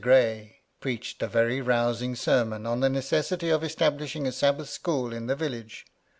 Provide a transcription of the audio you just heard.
Gray preached a very rousing sermon, on the necessity of establishing a Sabbath school in the village.